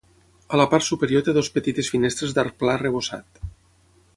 A la part superior té dues petites finestres d'arc pla arrebossat.